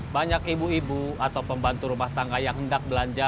banyak ibu ibu atau pembantu rumah tangga yang hendak belanja